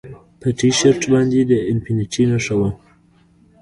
په ټي شرټ باندې د انفینټي نښه وه